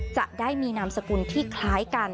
จะได้มีนามสกุลที่คล้ายกัน